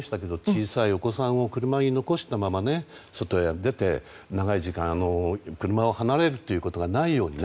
小さいお子さんを車に残したまま外へ出て長い時間、車を離れるということがないように。